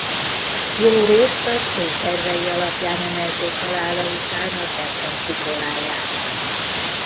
Jórészt az ő tervei alapján emelték halála után a templom kupoláját.